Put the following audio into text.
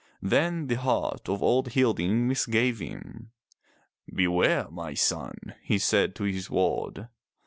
Then the heart of old Hilding misgave him. "Beware my son,'' he said to his ward.